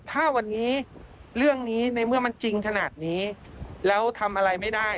ถ้าวันนี้เรื่องนี้ในเมื่อมันจริงขนาดนี้แล้วทำอะไรไม่ได้